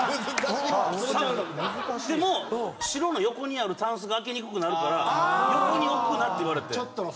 でも白の横にあるたんすが開けにくくなるから横に置くなって言われて。